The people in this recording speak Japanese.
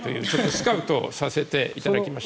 スカウトさせていただきました。